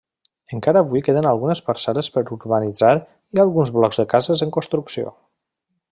Encara avui queden algunes parcel·les per urbanitzar i alguns blocs de cases en construcció.